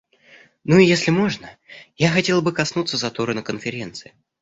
Ну и если можно, я хотела бы коснуться затора на Конференции.